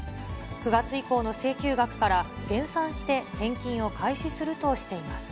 ９月以降の請求額から減算して返金を開始するとしています。